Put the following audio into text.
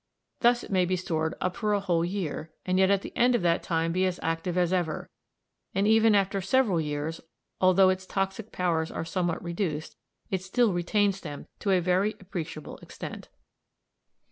Thus it may be stored up for a whole year, and yet at the end of that time be as active as ever; and even after several years, although its toxic powers are somewhat reduced, it still retains them to a very appreciable extent.